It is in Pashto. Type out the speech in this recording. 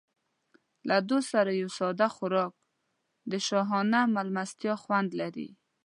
له دوست سره یو ساده خوراک د شاهانه مېلمستیا خوند لري.